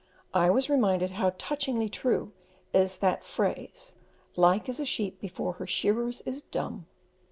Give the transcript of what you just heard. I was reminded how touchingly true is that phrase, "Like as a sheep before her shearers is dumb."